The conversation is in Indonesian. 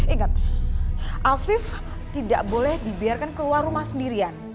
ingat afif tidak boleh dibiarkan keluar rumah sendirian